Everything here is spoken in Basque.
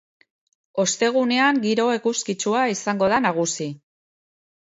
Ostegunean, giro eguzkitsua izango da nagusi.